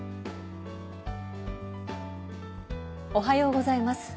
おはようございます。